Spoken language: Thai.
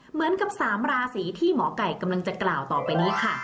เหมือนกับ๓ราศีที่หมอไก่กำลังจะกล่าวต่อไปนี้ค่ะ